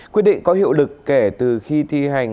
quyết định có hiệu lực kể từ khi thi hành